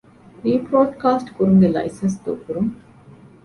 ރީބްރޯޑްކާސްޓް ކުރުމުގެ ލައިސަންސް ދޫކުރުން